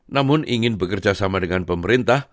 namun ingin bekerja sama dengan pemerintah